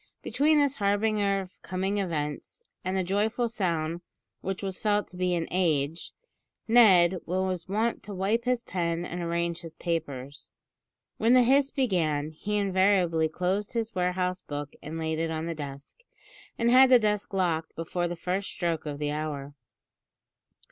Between this harbinger of coming events, and the joyful sound which was felt to be "an age," Ned was wont to wipe his pen and arrange his papers. When the hiss began, he invariably closed his warehouse book and laid it in the desk, and had the desk locked before the first stroke of the hour.